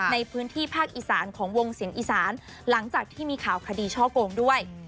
ในพื้นที่ภาคอีสานของวงเสียงอีสานหลังจากที่มีข่าวคดีช่อโกงด้วย